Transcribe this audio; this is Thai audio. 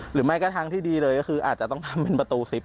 หรือไม่ก็ทางที่ดีเลยก็คืออาจจะต้องทำเป็นประตู๑๐